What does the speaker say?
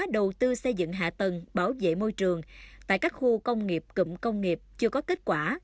đầu tư xây dựng hạ tầng bảo vệ môi trường tại các khu công nghiệp cụm công nghiệp chưa có kết quả